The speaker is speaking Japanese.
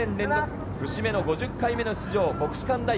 節目の５０回目の出場。